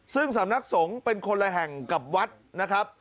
ซึ่งสำนักสงฆ์เป็นคนละแห่งกับวัดนะครับ